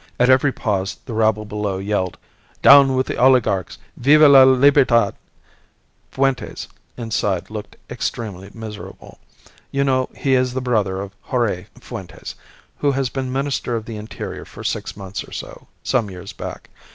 At every pause the rabble below yelled, 'Down with the Oligarchs! Viva la Libertad!' Fuentes inside looked extremely miserable. You know, he is the brother of Jorge Fuentes, who has been Minister of the Interior for six months or so, some few years back.